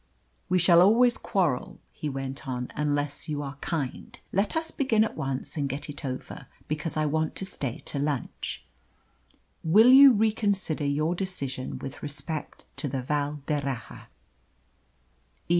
"We shall always quarrel," he went on, "unless you are kind. Let us begin at once and get it over, because I want to stay to lunch. Will you reconsider your decision with respect to the Val d'Erraha?"